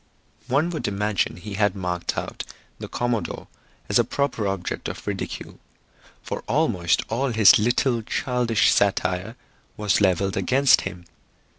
One would imagine he had marked out the commodore as a proper object of ridicule, for almost all his little childish satire was leveled against him.